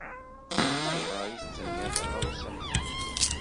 Ayɣer ay d-tenniḍ taɣawsa am ta?